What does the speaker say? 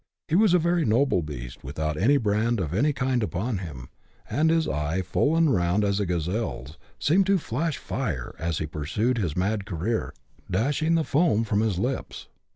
He was a very noble beast, without a brand of any kind upon him, and his eye, full and round as a gazelle's, seemed to flash fire, as he pursued his mad career, dashing the foam from his lips.